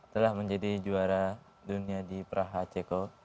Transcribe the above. telah menjadi juara dunia di praha ceko